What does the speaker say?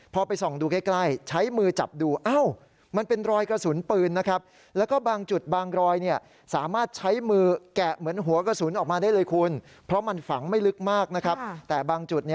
พอไปส่องดูใกล้ใช้มือจับดูอ้าวมันเป็นรอยกระสุนปืนนะครับ